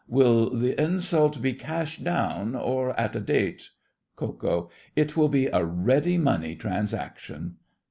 Will the insult be cash down, or at a date? KO. It will be a ready money transaction.